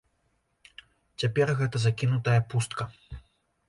Цяпер гэта закінутая пустка.